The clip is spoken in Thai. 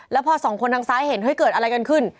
แล้วพอสองคนทางซ้ายเห็นเฮ้ยเกิดอะไรกันขึ้น